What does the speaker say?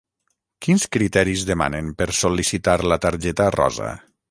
Quins criteris demanen per sol·licitar la targeta rosa?